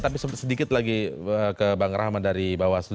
tapi sedikit lagi ke bang rahmat dari bawaslu